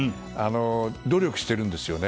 努力しているんですよね。